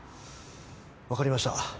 分かりました。